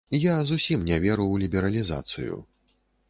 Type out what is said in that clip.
Я зусім не веру ў лібералізацыю.